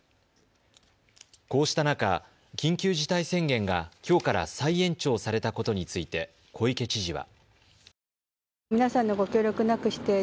こうした中、緊急事態宣言がきょうから再延長されたことについて小池知事は。